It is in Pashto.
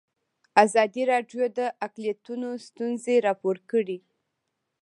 ازادي راډیو د اقلیتونه ستونزې راپور کړي.